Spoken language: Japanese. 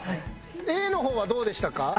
Ａの方はどうでしたか？